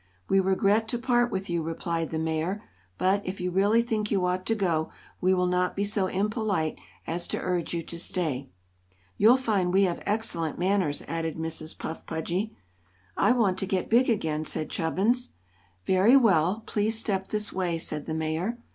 "We regret to part with you," replied the Mayor; "but, if you really think you ought to go, we will not be so impolite as to urge you to stay." "You'll find we have excellent manners," added Mrs. Puff Pudgy. "I want to get big again," said Chubbins. "Very well; please step this way," said the Mayor.